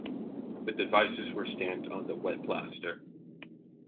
The devices were stamped on the wet plaster.